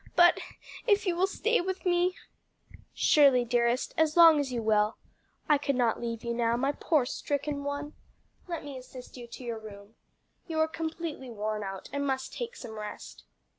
"But if you will stay with me " "Surely, dearest, as long as you will. I could not leave you now, my poor stricken one! Let me assist you to your room. You are completely worn out, and must take some rest."